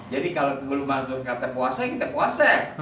jadi kalau guru mansur kata puasa kita puasa